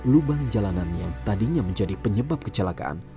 lubang jalanan yang tadinya menjadi penyebab kecelakaan